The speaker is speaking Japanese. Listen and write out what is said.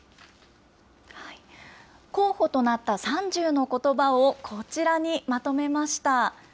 候補となった３０のことばを、こちらにまとめました。